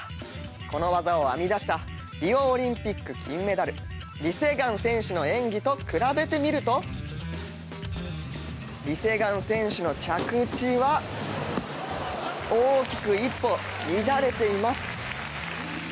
この技を編み出したリオオリンピック金メダルリ・セグァン選手の演技と比べてみるとリ・セグァン選手の着地は大きく一歩、乱れています。